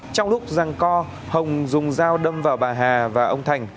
trong lúc răng co hồng dùng dao đâm vào bà hà và ông thành